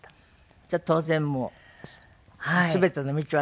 じゃあ当然もう全ての道は宝塚？